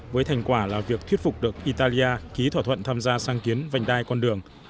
với thành quả là việc thuyết phục được italia ký thỏa thuận tham gia sang kiến vành đai con đường